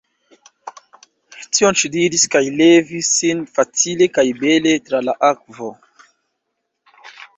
Tion ŝi diris kaj levis sin facile kaj bele tra la akvo.